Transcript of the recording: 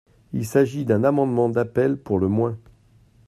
Il s’agit d’un amendement d’appel, pour le moins.